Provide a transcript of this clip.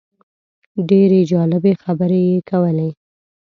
ډېرې جالبې خبرې یې کولې.